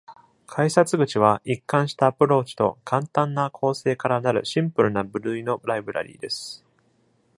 改札口は一貫したアプローチと簡単な構成からなるシンプルな部類のライブラリーです。